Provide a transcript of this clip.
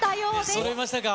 出そろいましたか？